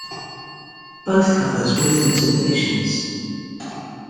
Both covers were limited editions.